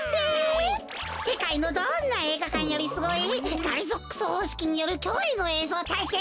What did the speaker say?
せかいのどんなえいがかんよりスゴイガリゾックスほうしきによるきょういのえいぞうたいけん！